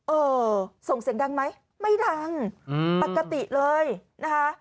เออส่งเสียงดังไหมไม่ดังปกติเลยนะคะ